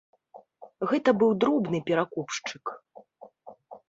Гэта быў дробны перакупшчык.